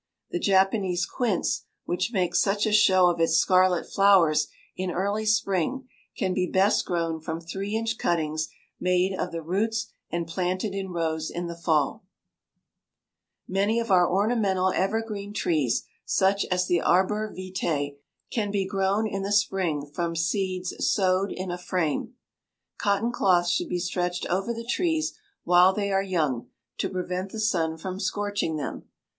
The Japanese quince, which makes such a show of its scarlet flowers in early spring, can be best grown from three inch cuttings made of the roots and planted in rows in the fall. [Illustration: FIG. 106. FOUR O'CLOCKS SET IN A GOOD PLACE] Many of our ornamental evergreen trees, such as the arbor vitæ, can be grown in the spring from seeds sowed in a frame. Cotton cloth should be stretched over the trees while they are young, to prevent the sun from scorching them.